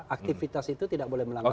aktivitas itu tidak boleh melanggar